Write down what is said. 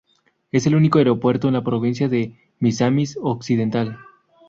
Es el único aeropuerto en la provincia de Misamis Occidental.